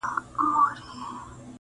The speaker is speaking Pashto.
جهاني مي د پښتون غزل اسمان دی.